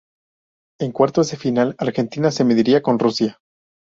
En cuartos de final Argentina se mediría con Rusia.